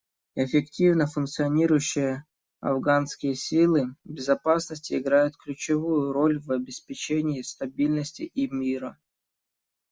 Эффективно функционирующие афганские силы безопасности играют ключевую роль в обеспечении стабильности и мира.